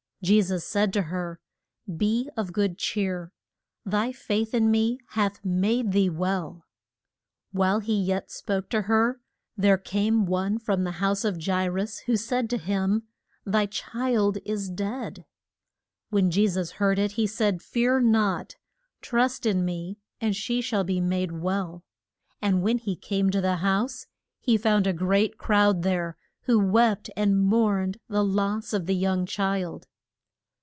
Je sus said to her, Be of good cheer. Thy faith in me hath made thee well. While he yet spoke to her, there came one from the house of Ja i rus, who said to him, Thy child is dead. When Je sus heard it he said, Fear not. Trust in me and she shall be made well. And when he came to the house, he found a great crowd there, who wept and mourned the loss of the young child.